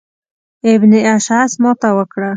ابن اشعث ماته وکړه.